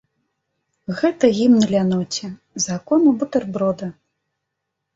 Гэта гімн ляноце, закону бутэрброда.